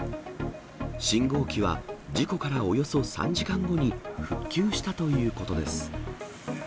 信号機は事故からおよそ３時間後に復旧したということです。